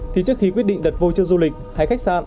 thì trước khi quyết định đặt voucher du lịch hay khách sạn